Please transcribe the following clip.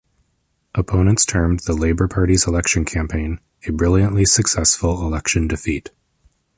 Opponents termed the Labour Party's election campaign "a brilliantly successful election defeat".